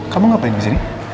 kamu ngapain kesini